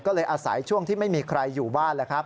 ก็เลยอาศัยช่วงที่ไม่มีใครอยู่บ้านแล้วครับ